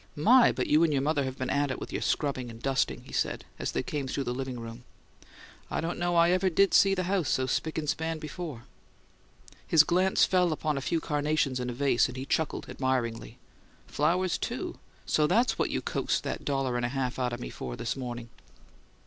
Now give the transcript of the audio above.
"My! but you and your mother have been at it with your scrubbing and dusting!" he said, as they came through the "living room." "I don't know I ever did see the house so spick and span before!" His glance fell upon a few carnations in a vase, and he chuckled admiringly. "Flowers, too! So THAT'S what you coaxed that dollar and a half out o 'me for, this morning!"